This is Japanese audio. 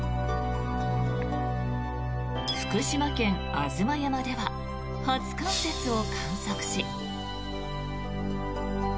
福島県・吾妻山では初冠雪を観測し。